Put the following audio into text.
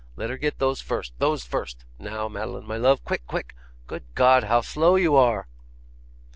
Let her get those first, those first. Now, Madeline, my love, quick, quick! Good God, how slow you are!